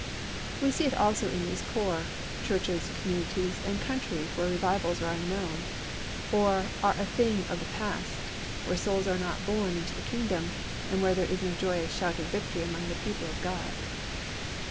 We see it also in those Corps, churches, communities, and countries where revivals are unknown, or are a thing of the past, where souls are not born into the Kingdom, and where there is no joyous shout of victory among the people of God.